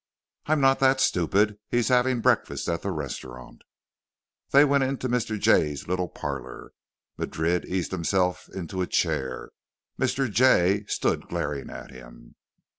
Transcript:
"I'm not that stupid. He's having breakfast at the restaurant." They went into Mr. Jay's little parlor. Madrid eased himself into a chair. Mr. Jay stood glaring at him.